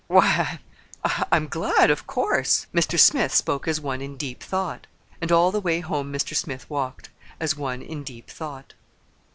"Why, I'm—I'm glad, of course!" Mr. Smith spoke as one in deep thought. And all the way home Mr. Smith walked—as one in deep thought.